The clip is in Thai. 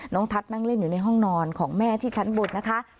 ทัศน์นั่งเล่นอยู่ในห้องนอนของแม่ที่ชั้นบนนะคะ